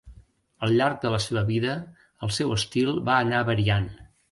Al llarg de la seva vida el seu estil va anar variant.